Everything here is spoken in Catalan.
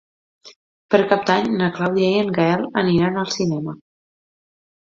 Per Cap d'Any na Clàudia i en Gaël aniran al cinema.